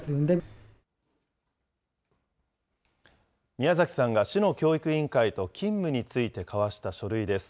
宮崎さんが市の教育委員会と勤務について交わした書類です。